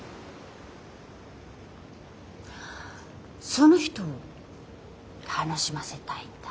その人を楽しませたいんだ？